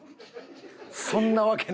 そんなわけない。